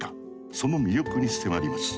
その魅力に迫ります。